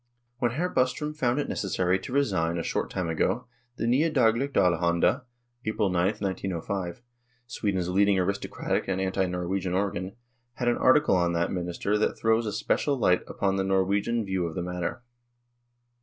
When Hr. Bostrom found it necessary to resign a short time ago, the Nya Dagligt Allelianda (April 9, 1 95\ Sweden's leading aristocratic and anti Nor wegian organ had an article on that minister that throws a special light upon the Swedish view of the matter.